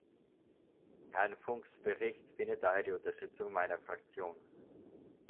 Herrn Funks Bericht findet daher die Unterstützung meiner Fraktion.